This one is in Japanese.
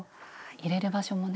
入れる場所もね